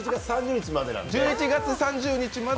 １１月３０日まで。